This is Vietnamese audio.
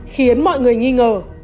khiến mọi người nghi ngờ